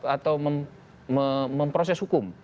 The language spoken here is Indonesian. atau memproses hukum